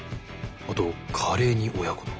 あとカレーに親子丼。